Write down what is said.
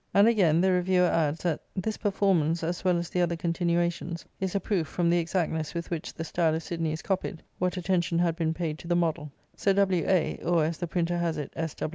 And, again, the reviewer adds that " this performance, as well as the other continuations, is a proof, from the exactness with which the style of Sidney is copied, what attention had been paid to the model." Sir W. A., or, as the printer has it, " S.